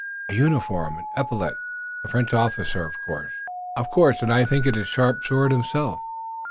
"A uniform and an epaulet. A French officer, of course." "Of course, and I think it is Sharp Sword himself."